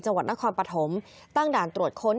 จังหวัดนครปฐมตั้งด่านตรวจค้น